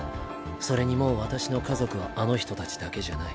それにもう私の家族はあの人たちだけじゃない。